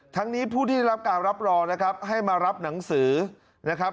ทั้งนี้ผู้ที่ได้รับการรับรองนะครับให้มารับหนังสือนะครับ